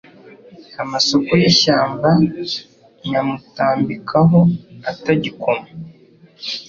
Amasoko y'ishyamba nyamutambikaho atagikoma.